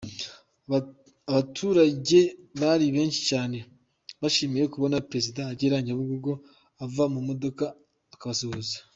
Abaturage bari benshi cyane, bishimiye kubona Perezida agera Nyabugogo akava mu modoka akabasuhuza.